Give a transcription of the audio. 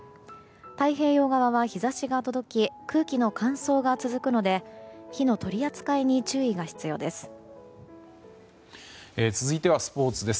太平洋側は日差しが届き空気の乾燥が続くので火の取り扱いに注意が必要です。